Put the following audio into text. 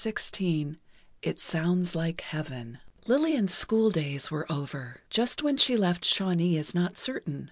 XVI IT SOUNDS LIKE HEAVEN Lillian's school days were over. Just when she left Shawnee is not certain.